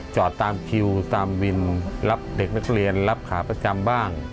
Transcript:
จอดตามคิวตามวินรับเด็กนักเรียนรับขาประจำบ้าง